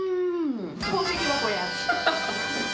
宝石箱や。